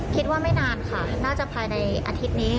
ไม่นานค่ะน่าจะภายในอาทิตย์นี้